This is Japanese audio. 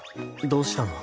どうしたの？